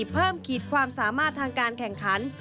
ขีดความสามารถทางการแข่งขัน